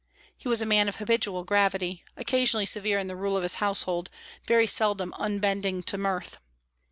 He was a man of habitual gravity, occasionally severe in the rule of his household, very seldom unbending to mirth.